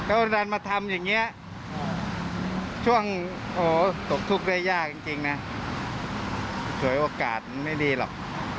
โอ้โหตกทุกข์ได้ยากจริงนะเผื่อโอกาสมันไม่ดีหรอก